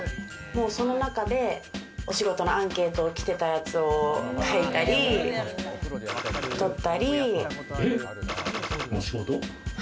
その中で、お仕事のアンケート、きてたやつを書いたり、取ったり。